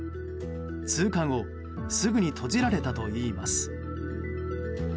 通過後すぐに閉じられたといいます。